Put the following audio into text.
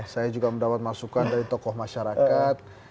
saya juga mendapat masukan dari tokoh masyarakat